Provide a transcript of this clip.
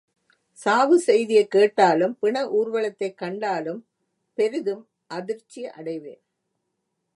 சாவுச் செய்தியைக் கேட்டாலும் பிண ஊர் வலத்தைக் கண்டாலும் பெரிதும் அதிர்ச்சி அடைவேன்.